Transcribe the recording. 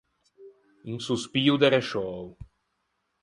Un sospio de resciöo.